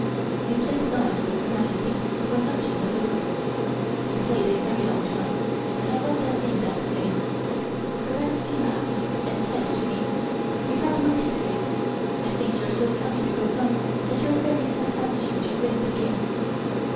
We played dice with Her Majesty when luncheon was over. We played a very long time, and I won the game that day. Her Majesty laughed and said to me: "You have luck to day. I think you are so happy to go home that your fairies have helped you to win the game."